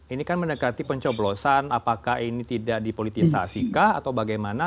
ini kan mendekati pencoblosan apakah ini tidak dipolitisasi kah atau bagaimana